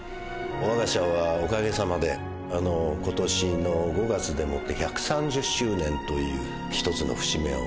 我が社はおかげさまで今年の５月でもって１３０周年という一つの節目を迎えます。